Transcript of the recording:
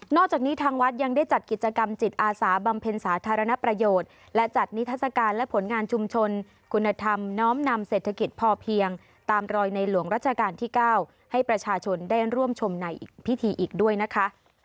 จากนี้ทางวัดยังได้จัดกิจกรรมจิตอาสาบำเพ็ญสาธารณประโยชน์และจัดนิทัศกาลและผลงานชุมชนคุณธรรมน้อมนำเศรษฐกิจพอเพียงตามรอยในหลวงรัชกาลที่๙ให้ประชาชนได้ร่วมชมในพิธีอีกด้วยนะคะ